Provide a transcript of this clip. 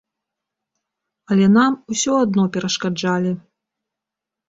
Але нам усё адно перашкаджалі.